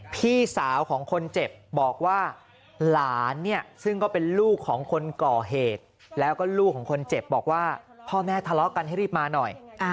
พี่สาวของคนเจ็บบอกว่าหลานเนี่ยซึ่งก็เป็นลูกของคนก่อเหตุแล้วก็ลูกของคนเจ็บบอกว่าพ่อแม่ทะเลาะกันให้รีบมาหน่อย